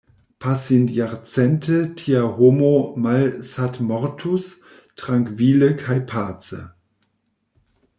Pasintjarcente tia homo malsatmortus, trankvile kaj pace.